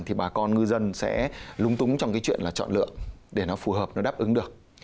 thì bà con ngư dân sẽ lung túng trong cái chuyện là chọn lượng để nó phù hợp nó đáp ứng được